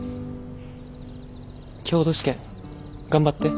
強度試験頑張って。